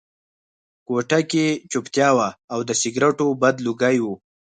کوټه کې چوپتیا وه او د سګرټو بد لوګي وو